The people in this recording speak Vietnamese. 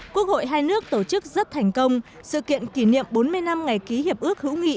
quốc hội hai nước tổ chức rất thành công sự kiện kỷ niệm bốn mươi năm ngày ký hiệp ước hữu nghị